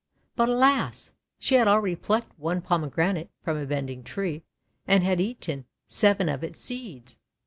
But, alas! she had already plucked one Pomegranate from a bending tree, and had eaten seven of its seeds